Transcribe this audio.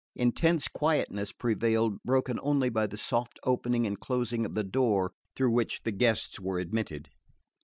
Intense quietness prevailed, broken only by the soft opening and closing of the door through which the guests were admitted.